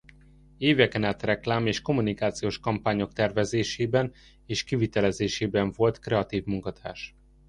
Éveken át reklám és kommunikációs kampányok tervezésében és kivitelezésében volt kreatív munkatárs.